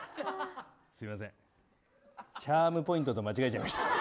すみませんチャームポイントと間違えちゃいました。